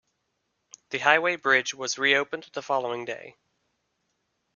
The highway bridge was reopened the following day.